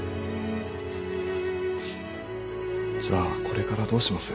じゃあこれからどうします？